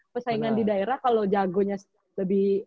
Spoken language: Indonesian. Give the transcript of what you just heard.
persaingan di daerah kalau jagonya lebih